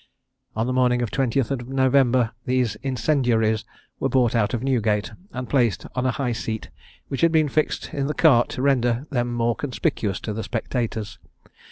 On the morning of the 20th of November these incendiaries were brought out of Newgate, and placed on a high seat, which had been fixed in the cart to render them more conspicuous to the spectators.